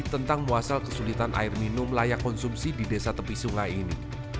tentang muasal kesulitan air minum layak konsumsi di desa tepi sungai ini